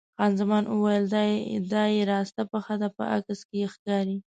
خان زمان وویل: دا دې راسته پښه ده، په عکس کې یې ښکاري.